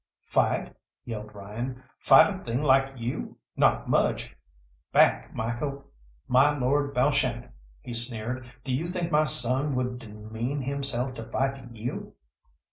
"Fight?" yelled Ryan. "Fight a thing like you? Not much! Back, Michael! My Lord Balshannon," he sneered, "do you think my son would demean himself to fight you?"